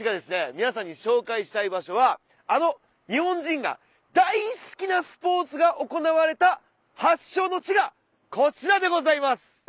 皆さんに紹介したい場所はあの日本人が大好きなスポーツが行われた発祥の地がこちらでございます。